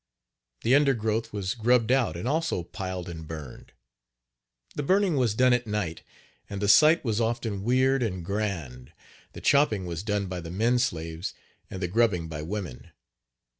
The undergrowth was grubbed out and also piled and burned. The burning was done at night and the sight was often weird and grand. The chopping was done by the men slaves and the grubbing by women.